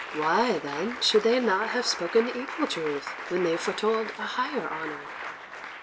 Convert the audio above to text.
Why, then, should they not have spoken equal truth when they foretold a higher honour?